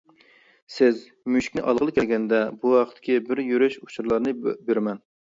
سىز مۈشۈكنى ئالغىلى كەلگەندە بۇ ھەقتىكى بىر يورۇش ئۇچۇرلارنى بېرىمەن.